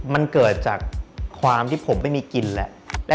มันเกิดจากความที่ผมไม่มีกินแหละ